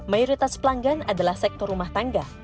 mayoritas pelanggan adalah sektor rumah tangga